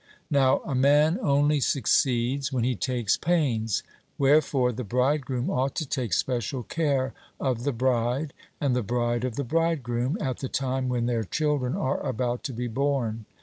Now a man only succeeds when he takes pains; wherefore the bridegroom ought to take special care of the bride, and the bride of the bridegroom, at the time when their children are about to be born.